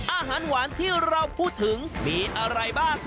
อาหารหวานที่เราพูดถึงมีอะไรบ้าง